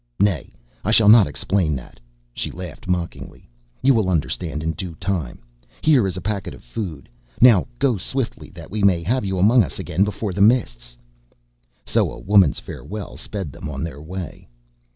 Nay, I shall not explain that," she laughed mockingly. "You will understand in due time. Here is a packet of food. Now go swiftly that we may have you among us again before the Mists." So a woman's farewell sped them on their way.